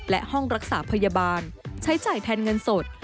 และห้องรักษาพยาบาลใช้จ่ายแทนเงินสด